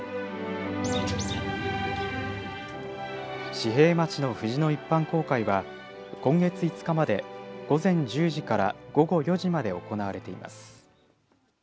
子平町の藤の一般公開は今月５日まで午前１０時から午後４時まで行われています。